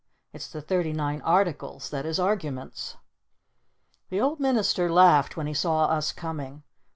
It's the "Thirty Nine Articles" that is Arguments! The Old Minister laughed when he saw us coming.